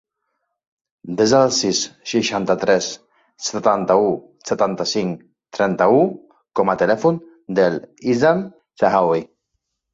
Desa el sis, seixanta-tres, setanta-u, setanta-cinc, trenta-u com a telèfon de l'Izan Chaoui.